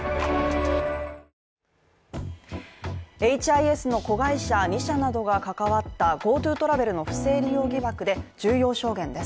ＨＩＳの子会社２社などが関わったＧｏＴｏトラベルの不正利用疑惑で重要証言です。